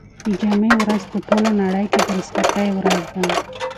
د جمعې ورځ په ټوله نړۍ کې د رخصتۍ ورځ ده.